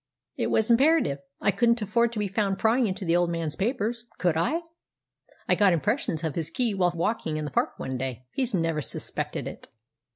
"It was imperative. I couldn't afford to be found prying into the old man's papers, could I? I got impressions of his key while walking in the park one day. He's never suspected it."